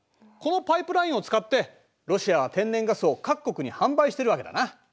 このパイプラインを使ってロシアは天然ガスを各国に販売しているわけだな。